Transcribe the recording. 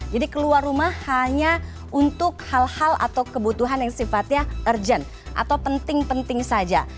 jadi keluar rumah hanya untuk hal hal atau kebutuhan yang sifatnya urgent atau penting penting saja